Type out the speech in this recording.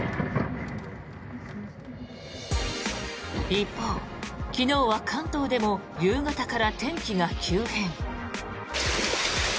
一方、昨日は関東でも夕方から天気が急変。